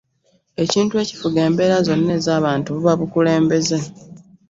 Ekintu ekifuga embeera zonna ez'abantu buba bukulembeze.